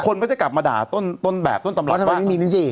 คนก็จะกลับมาด่าต้นแบบต้นตำรับว่าทำไมไม่มีลิ้นจี่